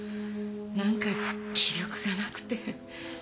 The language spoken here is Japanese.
なんか気力がなくて。